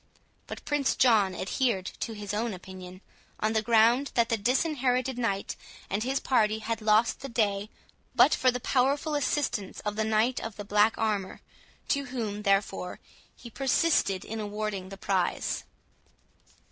But Prince John adhered to his own opinion, on the ground that the Disinherited Knight and his party had lost the day, but for the powerful assistance of the Knight of the Black Armour, to whom, therefore, he persisted in awarding the prize.